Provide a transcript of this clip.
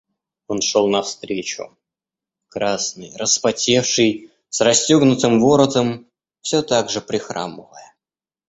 Он шел навстречу красный, распотевший, с расстегнутым воротом, всё так же прихрамывая.